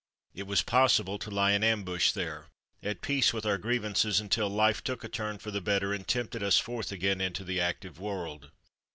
It was possible to lie in ambush there, at peace with our grievances, until life took a turn for the better and tempted us forth again into the active world.